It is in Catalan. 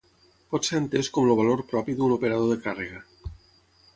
Pot ser entès com el valor propi d'un operador de càrrega.